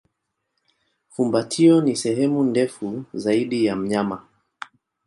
Fumbatio ni sehemu ndefu zaidi ya mnyama.